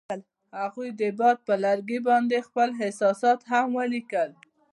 هغوی د باد پر لرګي باندې خپل احساسات هم لیکل.